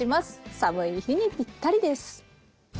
寒い日にぴったりです。